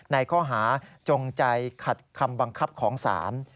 ในข้อหาจงใจขัดคำบังคับของศาล